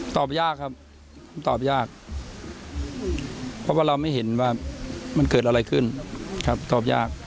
ตอบยากครับตอบยากเพราะว่าเราไม่เห็นว่ามันเกิดอะไรขึ้นครับตอบยาก